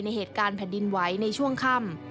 เหตุการณ์แผ่นดินไหวในช่วงค่ำ